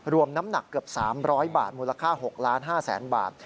น้ำหนักเกือบ๓๐๐บาทมูลค่า๖๕๐๐๐๐บาท